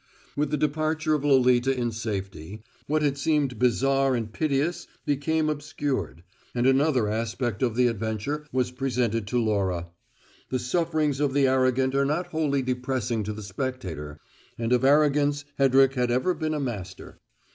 With the departure of Lolita in safety, what had seemed bizarre and piteous became obscured, and another aspect of the adventure was presented to Laura. The sufferings of the arrogant are not wholly depressing to the spectator; and of arrogance Hedrick had ever been a master.